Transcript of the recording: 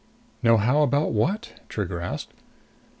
"Know how about what?" Trigger asked.